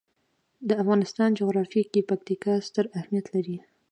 د افغانستان جغرافیه کې پکتیکا ستر اهمیت لري.